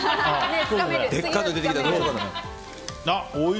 でかいの出てきたらどうしようかと。